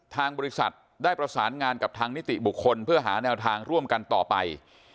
ทางบริษัทได้ประสานงานกับทางนิติบุคคลเพื่อหาแนวทางร่วมกันต่อไป